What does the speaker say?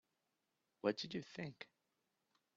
What did you think?